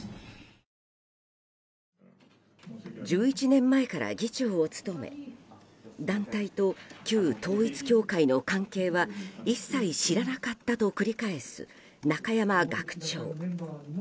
１１年前から議長を務め団体と旧統一教会の関係は一切、知らなかったと繰り返す中山学長。